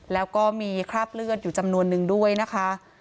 แล้วก็มีคราบเลือดอยู่จำนวนนึงด้วยนะคะ